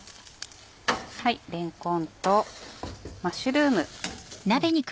れんこんとマッシュルーム。